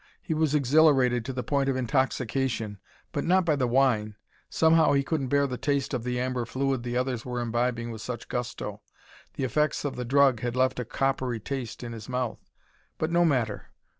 He was exhilarated to the point of intoxication, but not by the wine. Somehow he couldn't bear the taste of the amber fluid the others were imbibing with such gusto. The effects of the drug had left a coppery taste in his mouth. But no matter!